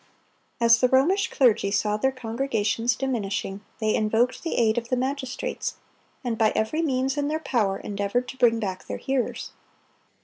(281) As the Romish clergy saw their congregations diminishing, they invoked the aid of the magistrates, and by every means in their power endeavored to bring back their hearers.